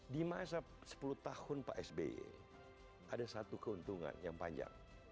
di masa sepuluh tahun pak sby ada satu keuntungan yang panjang